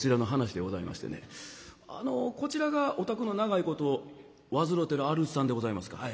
あのこちらがお宅の長いこと患うてるあるじさんでございますか。